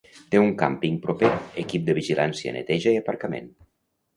Té un càmping proper, equip de vigilància, neteja i aparcament.